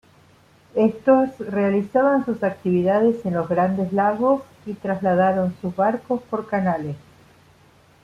Estos realizaban sus actividades en los Grandes Lagos y trasladaron sus barcos por canales.